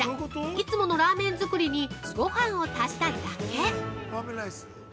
いつものラーメン作りにごはんを足しただけ！